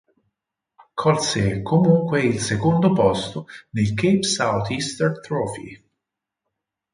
Colse comunque il secondo posto nel "Cape South Easter Trophy".